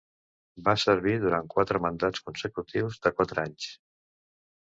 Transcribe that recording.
Va servir durant quatre mandats consecutius de quatre anys.